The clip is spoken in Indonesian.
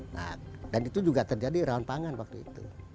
nah dan itu juga terjadi rawan pangan waktu itu